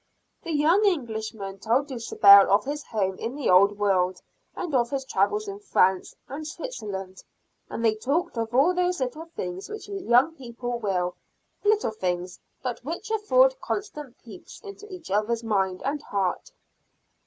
The young Englishman told Dulcibel of his home in the old world, and of his travels in France and Switzerland. And they talked of all those little things which young people will little things, but which afford constant peeps into each other's mind and heart.